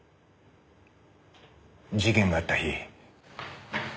事件があった日。